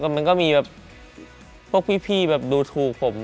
มันก็มีพวกพี่ดูถูกผม